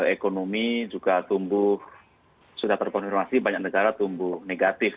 ekonomi juga tumbuh sudah terkonfirmasi banyak negara tumbuh negatif